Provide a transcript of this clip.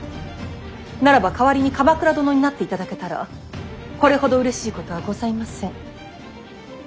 ならば代わりに鎌倉殿になっていただけたらこれほどうれしいことはございません。